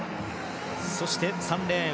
そして３レーン